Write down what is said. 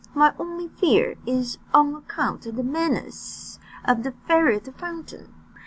My only fear is on account of the menaces of the Fairy of the Fountain."